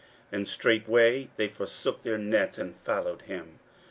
41:001:018 And straightway they forsook their nets, and followed him.